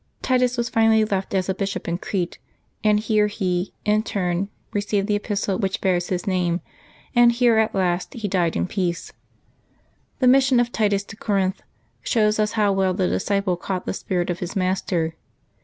Titus was finally left as a bishop in Crete, and here he, in turn, received the epistle which bears his name, and here at last he died in peace. The mission of Titus to Corinth shows us how well the disciple caught the spirit of his master.